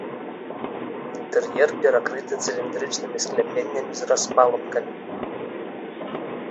Інтэр'ер перакрыты цыліндрычнымі скляпеннямі з распалубкамі.